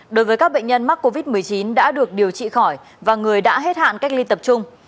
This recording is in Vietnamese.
đối với các bệnh nhân mắc covid một mươi chín đã được điều trị khỏi và người đã hết hạn cách ly tập trung